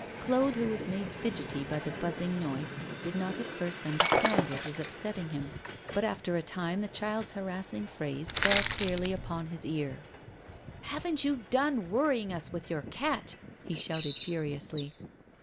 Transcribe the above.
Claude, who was made fidgety by the buzzing noise, did not at first understand what was upsetting him. But after a time the child's harassing phrase fell clearly upon his ear. 'Haven't you done worrying us with your cat?' he shouted furiously.